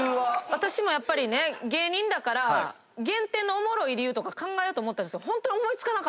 私もやっぱりね芸人だから減点のおもろい理由とか考えようと思ったんですけどホントに思い付かなかった。